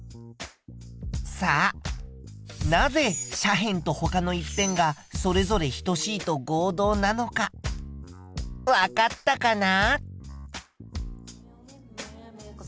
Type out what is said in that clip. さあなぜ斜辺とほかの１辺がそれぞれ等しいと合同なのかわかったかな？